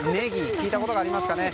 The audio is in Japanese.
聞いたことがありますかね。